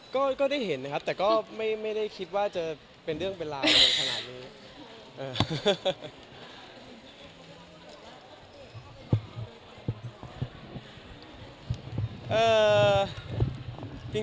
ก็ได้เห็นนะครับแต่ก็ไม่ได้คิดว่าจะเป็นเรื่องเป็นราวอะไรขนาดนี้